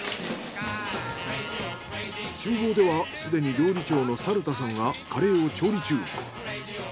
厨房ではすでに料理長の猿田さんがカレーを調理中。